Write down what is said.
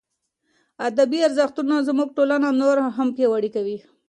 ادبي ارزښتونه زموږ ټولنه نوره هم پیاوړې کوي.